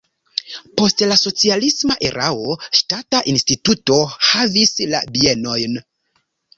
Post la socialisma erao ŝtata instituto havis la bienojn.